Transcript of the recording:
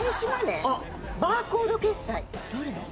どれ？